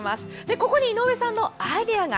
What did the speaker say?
ここに、井上さんのアイデアが。